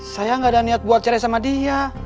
saya nggak ada niat buat cerai sama dia